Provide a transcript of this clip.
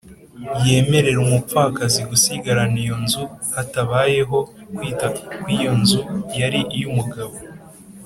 yemerera umupfakazi gusigarana iyo nzu, hatabayeho kwita ko iyo nzu yari iy’umugabo